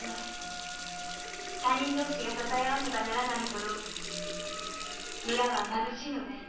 他人同士が支え合わねばならないほど村は貧しいのです。